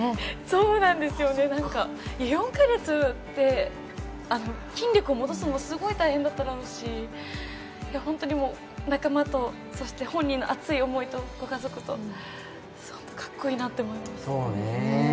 そうなんですよね、４か月って、筋力を戻すのも大変だったろうし、本当に仲間と、そして本人の熱い思いとご家族とすごくかっこいいなって思ってます。